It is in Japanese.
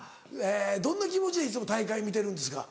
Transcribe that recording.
どんな気持ちでいつも大会見てるんですか？